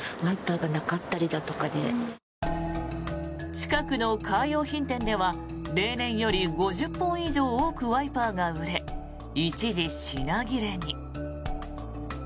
近くのカー用品店では例年より５０本以上多くワイパーが売れ一時品切れに。